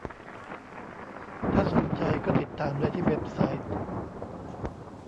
ถ้าสนใจก็ติดตามได้ที่เว็บไซต์